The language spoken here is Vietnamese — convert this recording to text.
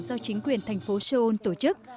do chính quyền thành phố seoul tổ chức